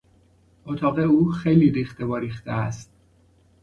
اتاق او خیلی ریخته واریخته است.